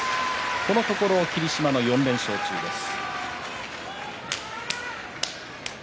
このところ霧島の４連勝中です。